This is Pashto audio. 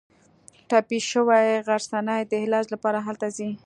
ټپي شوې غرڅنۍ د علاج لپاره هلته ځي.